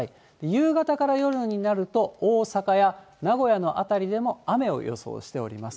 夕方から夜になると大阪や名古屋の辺りでも雨を予想しております。